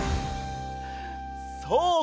そう！